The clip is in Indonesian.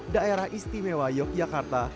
daerah istimewa yogyakarta